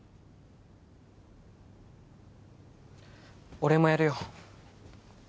俺もやるよ